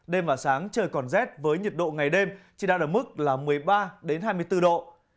đêm và sáng trời còn rét với nhiệt độ ngày đêm chỉ đạt ở mức một mươi ba hai mươi bốn độ